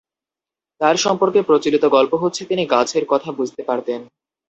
তাঁর সম্পর্কে প্রচলিত গল্প হচ্ছে-তিনি গাছের কথা বুঝতে পারতেন।